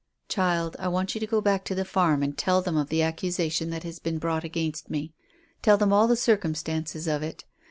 "Child, I want you to go back to the farm and tell them of the accusation that has been brought against me. Tell them all the circumstances of it.